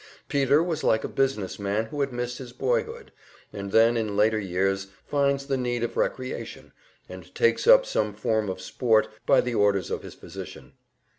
Peter was like a business man who has missed his boyhood, and then in later years finds the need of recreation, and takes up some form of sport by the orders of his physician.